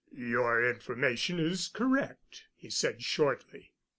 "Your information is correct," he said shortly.